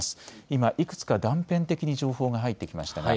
今いくつか断片的に情報が入ってきましたね。